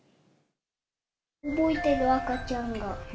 動いてる、赤ちゃんが。